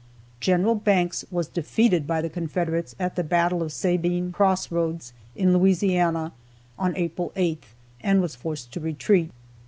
Gen. Banks was defeated by the Confederates at the battle of Sabine Cross Roads, in Louisiana, on April 8th, and was forced to retreat.